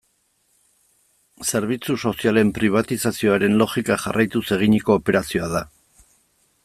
Zerbitzu sozialen pribatizazioaren logika jarraituz eginiko operazioa da.